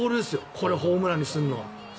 これをホームランにするのは。